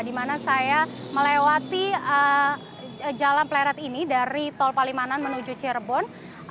di mana saya melewati jalan pleret ini dari tol palimanan menuju cirebon